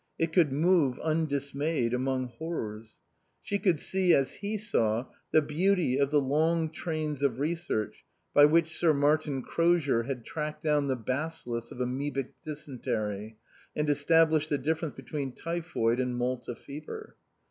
It could move, undismayed, among horrors. She could see, as he saw, the "beauty" of the long trains of research by which Sir Martin Crozier had tracked down the bacillus of amoebic dysentery and established the difference between typhoid and Malta fever.